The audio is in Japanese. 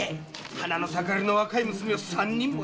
花の盛りの若い娘を三人もよっ！